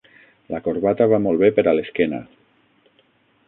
La corbata va molt bé per a l'esquena.